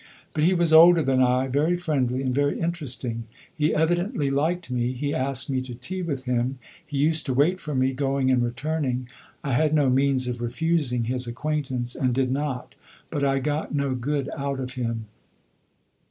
But he was older than I, very friendly, and very interesting. He evidently liked me; he asked me to tea with him; he used to wait for me, going and returning. I had no means of refusing his acquaintance, and did not; but I got no good out of him.